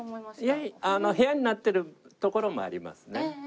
いや部屋になってる所もありますね。